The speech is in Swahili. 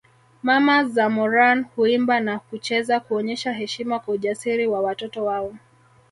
Mama za Moran huimba na kucheza kuonyesha heshima kwa ujasiri wa watoto wao